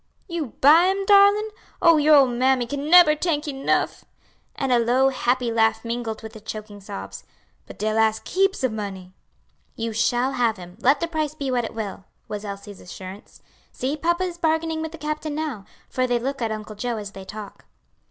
"You buy 'im, darlin'? Oh, your ole mammy can neber t'ank you 'nuff!" and a low, happy laugh mingled with the choking sobs. "But dey'll ask heaps ob money." "You shall have him, let the price be what it will," was Elsie's assurance. "See papa is bargaining with the captain now, for they look at Uncle Joe as they talk."